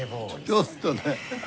ちょっとね。